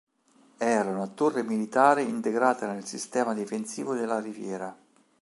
Era una torre militare integrata nel sistema difensivo della riviera.